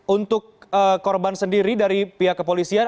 untuk korban sendiri dari pihak kepolisian